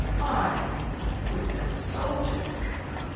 "Why, with them soldiers.